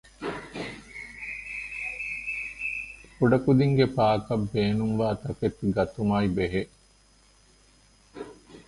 ކުޑަކުދިންގެ ޕާކަށް ބޭނުންވާ ތަކެތި ގަތުމާއި ބެހޭ